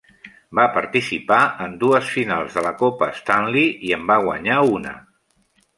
Va participar en dues finals de la Copa Stanley i en va guanyar una.